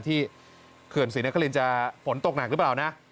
เขื่อนศรีนครินจะฝนตกหนักหรือเปล่านะ